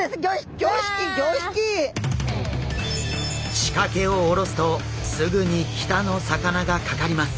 仕掛けを下ろすとすぐに北の魚がかかります。